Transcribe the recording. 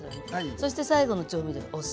そして最後の調味料お塩。